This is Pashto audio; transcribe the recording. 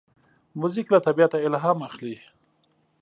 موزیک له طبیعته الهام اخلي.